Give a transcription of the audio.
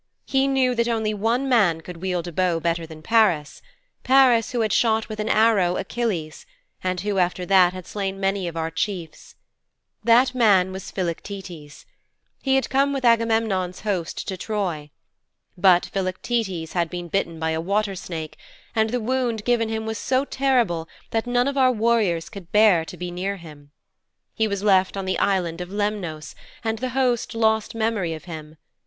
He knew that only one man could wield a bow better than Paris, Paris who had shot with an arrow Achilles, and who after that had slain many of our chiefs. That man was Philoctetes. He had come with Agamemnon's host to Troy. But Philoctetes had been bitten by a water snake, and the wound given him was so terrible that none of our warriors could bear to be near him. He was left on the Island of Lemnos and the host lost memory of him.